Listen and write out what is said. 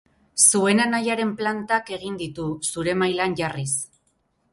Zuen anaiaren plantak egin ditu, zure mailan jarriz.